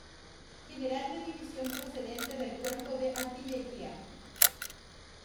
General de división procedente del Cuerpo de Artillería.